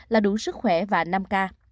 là đủ sức khỏe và năm k